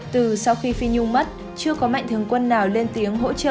từ sau khi phi nhung mất chưa có mạnh thường quân nào lên tiếng hỗ trợ